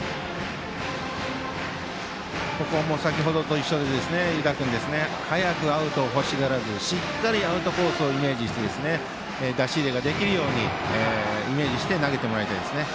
先程と一緒で湯田君早くアウトを欲しがらずにしっかりアウトコースをイメージして出し入れできるようにイメージして投げてもらいたいですね。